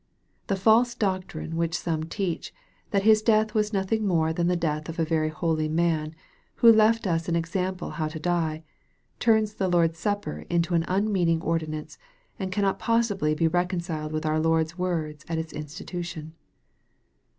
The false doctrine which some teach, that His death was nothing more than the death of a very holy man, who left us an example how to die, turns the Lord's supper into an unmeaning ordinance, and cannot possibly be reconciled with our Lord's words at its institution.